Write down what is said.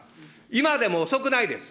今でも遅くないです。